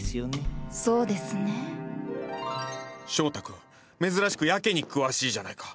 君珍しくやけに詳しいじゃないか。